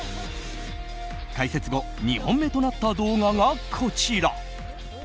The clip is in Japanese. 開設後、２本目となった動画がこちら。